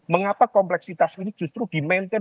mengapa kompleksitas ini justru di maintain